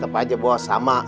tepat aja bos sama